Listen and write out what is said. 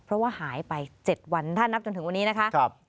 เพราะว่าหายไป๗วันถ้านับจนถึงวันนี้นะคะ